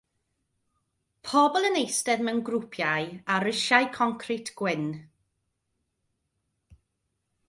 Pobl yn eistedd mewn grwpiau ar risiau concrit gwyn.